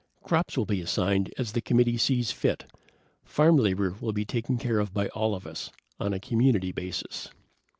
Crops will be assigned as the committee sees fit. Farm labor will be taken care of by all of us, on a community basis.